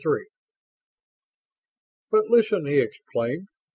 III "But listen!" he exclaimed.